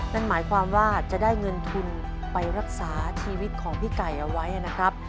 นั่นหมายความว่าจะได้เงินทุนไปรักษาชีวิตของพี่ไก่เอาไว้นะครับ